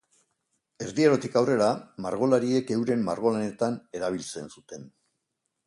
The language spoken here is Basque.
Erdi Arotik aurrera, margolariek euren margolanetan erabiltzen zuten.